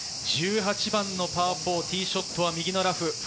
１８番のパー４、ティーショットは右のラフ。